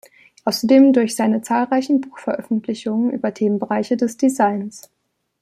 Außerdem durch seine zahlreichen Buchveröffentlichungen über Themenbereiche des Designs.